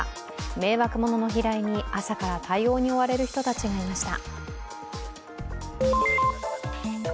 迷惑もの雲のの被害に朝から対応に追われる人たちがいました。